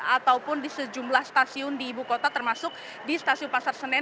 ataupun di sejumlah stasiun di ibu kota termasuk di stasiun pasar senen